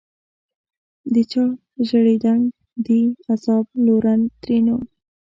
چا ژړېدنک دي عذاب لورن؛ ترينو